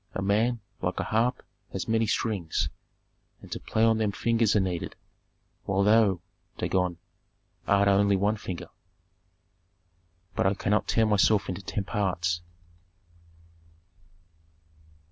A man, like a harp, has many strings, and to play on them fingers are needed, while thou, Dagon, art only one finger." "But I cannot tear myself into ten parts."